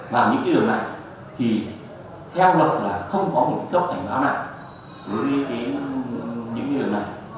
và những cái đường này thì theo luật là không có một tốc cảnh báo nào với những cái đường này